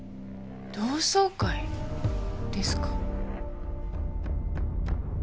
同窓会ですか。